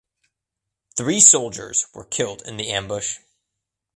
Three soldiers were killed in the ambush.